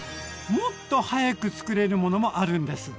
もっと早く作れるものもあるんです！